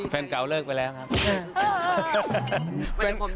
แฟนเก่าเลิกไปแล้วครับ